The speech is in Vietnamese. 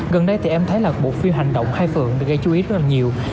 gần đây thì em thấy là bộ phim hành động hai phượng gây chú ý rất là nhiều